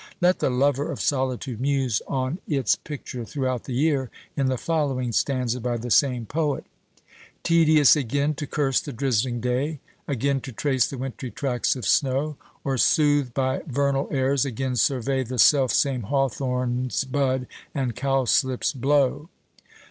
Let the lover of solitude muse on its picture throughout the year, in the following stanza by the same poet: Tedious again to curse the drizzling day, Again to trace the wintry tracks of snow! Or, soothed by vernal airs, again survey The self same hawthorns bud, and cowslips blow!